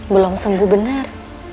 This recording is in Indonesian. belum sembuh benar